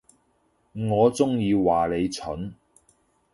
我中意話你蠢